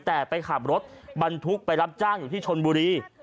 แต่ไปขับรถบรรทุกไปรับจ้างอยู่ที่ชนบุรี